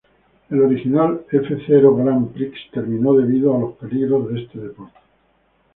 El original "F-Zero Grand Prix" terminó, debido a los peligros de este deporte.